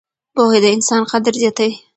پوهه د انسان قدر زیاتوي.